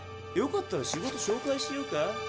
よかったら仕事紹介しようか？